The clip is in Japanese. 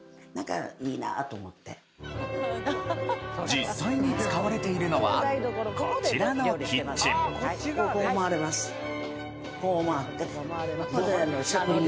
実際に使われているのはこちらのキッチンこう周って。